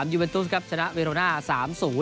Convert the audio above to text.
ยูเอ็นตุสครับชนะเวโรนา๓๐